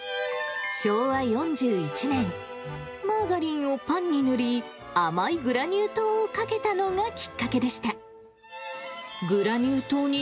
昭和４１年、マーガリンをパンに塗り、甘いグラニュー糖をかけたのがきっかけでした。